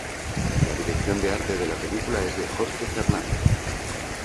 La dirección de arte de la película es de Jorge Fernandez.